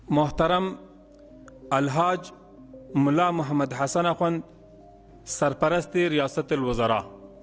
mahteram alhaj mullah muhammad hassan akun sarperest riyasatil wazara